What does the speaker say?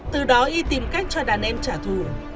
từ đó y tìm cách cho đàn em trả thù